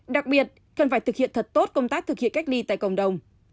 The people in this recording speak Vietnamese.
đặc biệt cần phải thực hiện thật tốt công tác thực hiện cách ly tại cộng đồng